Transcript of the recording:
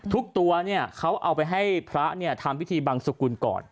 ทุกตัวเนี่ยเค้าเอาไปให้พระเนี่ยทำพิธีบางสกุลก่อน